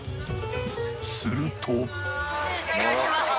すると。